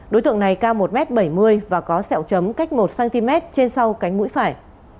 đối tượng này cao một m bảy mươi và có sẹo chấm cách một cm trên sau cánh mũi phải